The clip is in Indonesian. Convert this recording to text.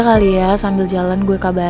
kalinya mau wassalam